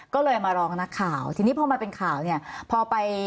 ก็เลยมาร้องนักข่าวทีนี้พอมาเป็นข่าวเนี่ยพอไป